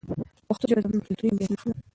پښتو ژبه زموږ د کلتوري هویت نښه ده.